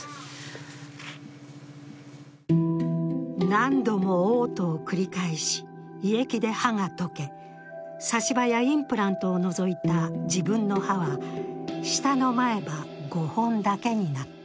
何度もおう吐を繰り返し胃液で歯が溶け、差し歯やインプラントを除いた自分の歯は下の前歯５本だけになった。